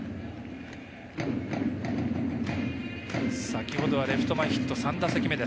先ほどはレフト前ヒット３打席目。